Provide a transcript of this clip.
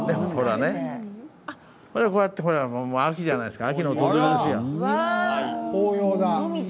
こうやって、ほら秋じゃないですか。